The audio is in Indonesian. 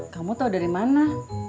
kamu tau dari mana